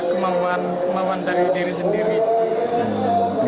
kita harus mencari kemampuan dari diri sendiri